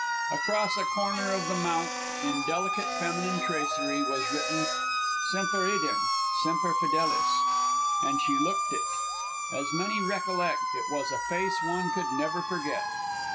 Across a corner of the mount, in delicate feminine tracery, was written: "Semper idem; semper fidelis." And she looked it. As many recollect, it was a face one could never forget.